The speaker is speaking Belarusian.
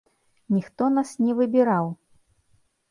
Ніхто нас не выбіраў!